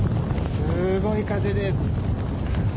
すごい風です。